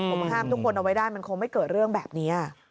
ผมห้ามทุกคนเอาไว้ได้มันคงไม่เกิดเรื่องแบบนี้